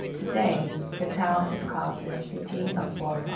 To day the town is called the City of Bolivar.